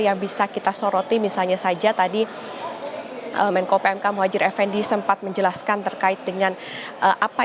yang bisa kita soroti misalnya saja tadi menko pmk muhajir effendi sempat menjelaskan terkait dengan apa